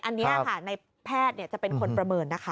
อันนี้ค่ะในแพทย์จะเป็นคนประเมินนะคะ